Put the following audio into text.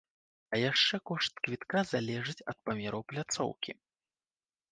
А яшчэ кошт квітка залежыць ад памераў пляцоўкі!